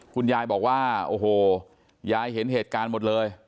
คุณยายบอกว่าโอ้โหยายเห็นเหตุการณ์หมดเลย